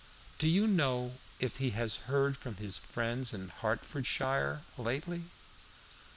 "Do you know if he has heard from his friends in Hertfordshire lately?"